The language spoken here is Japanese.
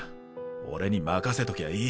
俺に任せときゃいい。